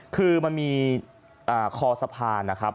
คือมันมีคอสะพานนะครับ